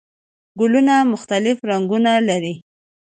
ګلونه مختلف رنګونه لري